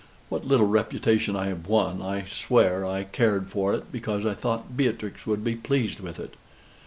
What little reputation I have won, I swear I cared for it because I thought Beatrix would be pleased with it.